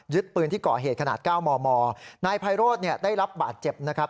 ปืนที่ก่อเหตุขนาด๙มมนายไพโรธเนี่ยได้รับบาดเจ็บนะครับ